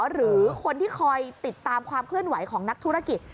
หรือคนที่คอยติดตามความเคลื่อนไหวของนักธุรกิจ